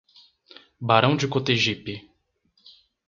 Barão de Cotegipe